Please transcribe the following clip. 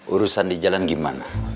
urusan di jalan gimana